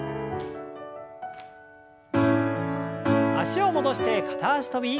脚を戻して片脚跳び。